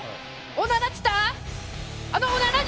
オナラっつった？